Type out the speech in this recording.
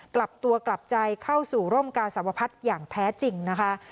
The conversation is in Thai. กลับตัวกลับใจเข้าสู่ร่มกาสวพัฒน์อย่างแท้จริงนะคะ